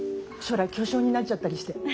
将来巨匠になっちゃったりして。